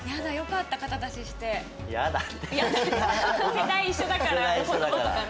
世代一緒だから言葉とかね。